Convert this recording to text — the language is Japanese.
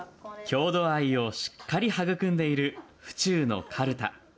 郷土愛をしっかり育んでいる府中のかるた。